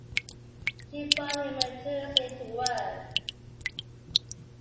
She brought him judiciously to earth.